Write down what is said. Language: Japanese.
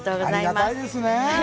ありがたいですねえ！